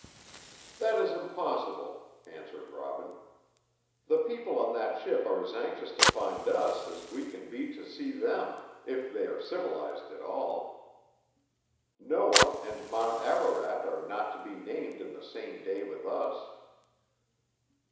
"That is impossible," answered Robin. "The people on that ship are as anxious to find us as we can be to see them, if they are civilized at all. Noah and Mt. Ararat are not to be named in the same day with us."